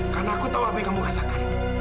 karena aku tahu apa yang kamu rasakan